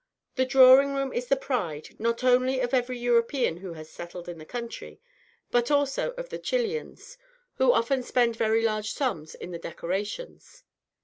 The drawing room is the pride, not only of every European who has settled in the country, but also of the Chilians, who often spend very large sums in the decorations.